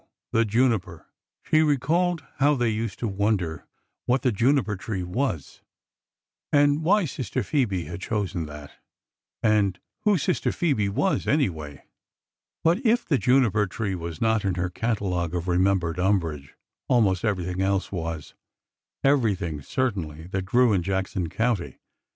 The juniper—'' She recalled how they used to wonder what the juniper tree was, and why Sister Phoebe had chosen that, and who Sister Phoebe was, anyway. But if the juniper tree was not in her catalogue of re membered umbrage, almost everything else was— every thing, certainly, that grew in Jackson County.